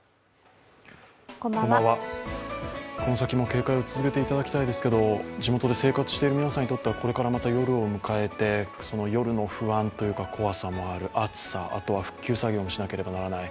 この先も警戒を続けていただきたいですけど、地元で生活している皆さんにとってはこれからまた夜を迎えてその夜の不安、怖さもある、暑さ、復旧作業もしなければならない。